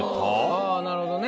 ああなるほどね。